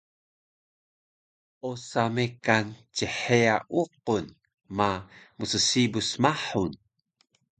Osa mekan cheya uqun ma mssibus mahun